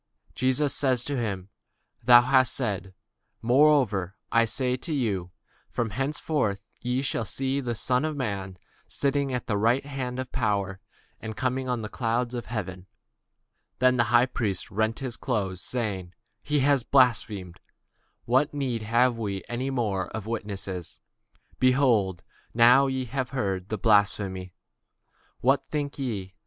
Jesus saith unto him, Thou hast said: nevertheless I say unto you, Hereafter shall ye see the Son of man sitting on the right hand of power, and coming in the clouds of heaven. Then the high priest rent his clothes, saying, He hath spoken blasphemy; what further need have we of witnesses? behold, now ye have heard his blasphemy. What think ye?